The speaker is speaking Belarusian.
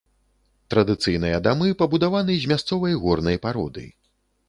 Традыцыйныя дамы пабудаваны з мясцовай горнай пароды.